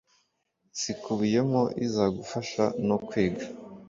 zikubiyemo izagufasha no kwiga